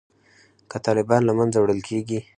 که طالبان له منځه وړل کیږي